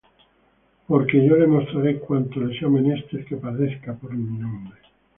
Porque yo le mostraré cuánto le sea menester que padezca por mi nombre.